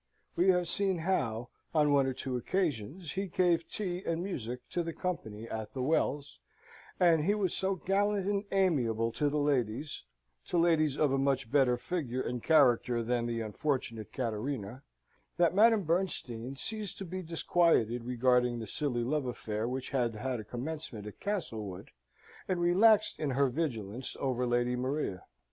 We have seen how, on one or two occasions, he gave tea and music to the company at the Wells; and he was so gallant and amiable to the ladies (to ladies of a much better figure and character than the unfortunate Cattarina), that Madame Bernstein ceased to be disquieted regarding the silly love affair which had had a commencement at Castlewood, and relaxed in her vigilance over Lady Maria.